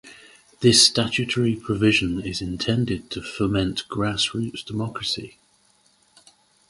This statutory provision is intended to foment grass-roots democracy.